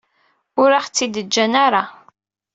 Ur aɣ-tt-id-ǧǧan ara.